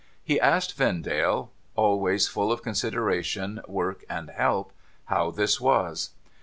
He asked Vendale (always full of consideration, work, and help) how this was